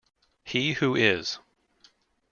"He Who Is".